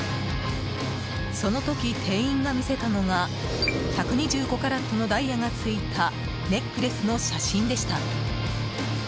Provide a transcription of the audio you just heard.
その時、店員が見せたのが１２５カラットのダイヤが付いたネックレスの写真でした。